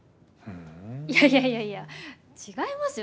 いやいやいやいや違いますよ。